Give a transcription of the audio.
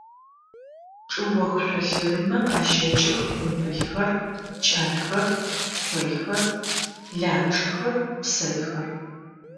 Чӏыох шъолъырымэ къащэкӏых къумбылхэр, кӏайхэр, тфэйхэр, ланчъэхэр, псэйхэр.